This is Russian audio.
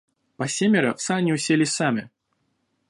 По семеро в сани уселись сами.